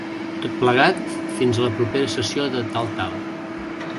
Tot plegat, fins a la propera sessió de tal-tal.